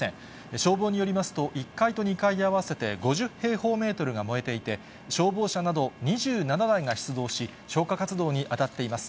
消防によりますと、１階と２階合わせて５０平方メートルが燃えていて、消防車など２７台が出動し、消火活動に当たっています。